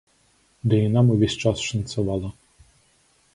Ды і нам увесь час шанцавала.